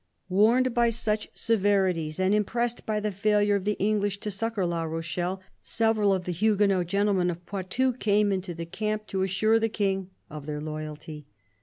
Warned by such severities, and impressed by the failure of the Enghsh to succour La Rochelle, several of the Huguenot gentlemen of Poitou came into the camp to assure' the King of their loyalty.